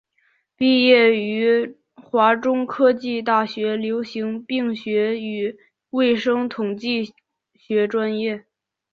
毕业于华中科技大学流行病学与卫生统计学专业。